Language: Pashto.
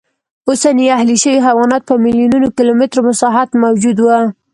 اوسني اهلي شوي حیوانات په میلیونونو کیلومترو مساحت موجود و